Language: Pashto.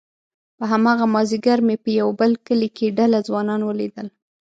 په هماغه مازيګر مې په يوه بل کلي کې ډله ځوانان وليدل،